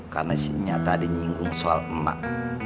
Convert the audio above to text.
karena sinyata ada nyinggung soal emak